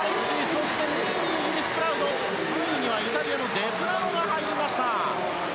そして２位にイギリス、プラウド３位にはイタリアのデプラノが入りました。